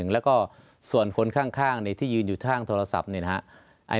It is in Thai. แล้วก็ส่วนคนข้างที่ยืนอยู่ทางโทรศัพท์เนี่ยนะฮะ